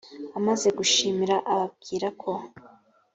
amaze gushimira ababwira ko